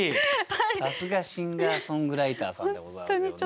さすがシンガーソングライターさんでございますよね。